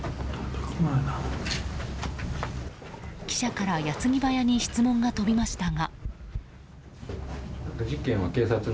記者から矢継ぎ早に質問が飛びましたが。